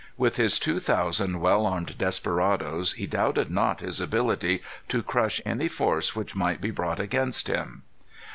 With his two thousand well armed desperadoes he doubted not his ability to crush any force which might be brought against him.